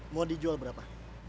mau dijual berapa